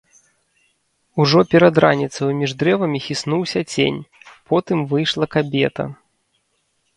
Ужо перад раніцаю між дрэвамі хіснуўся цень, потым выйшла кабета.